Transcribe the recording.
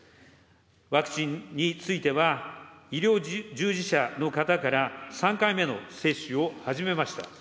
ワクチンについては、医療従事者の方から３回目の接種を始めました。